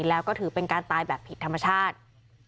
แล้วก็ถือเป็นการตายแบบผิดธรรมชาติ